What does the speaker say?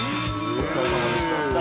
お疲れさまでした。